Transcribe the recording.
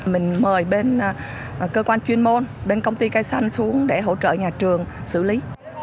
mình mời bên cơ quan chuyên môn bên công ty cây xanh xuống để hỗ trợ nhà trường xử lý